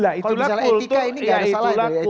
kalau misalnya etika ini nggak ada salah ya